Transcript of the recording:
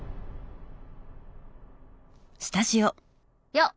よっ！